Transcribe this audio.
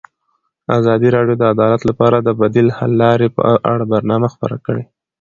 ازادي راډیو د عدالت لپاره د بدیل حل لارې په اړه برنامه خپاره کړې.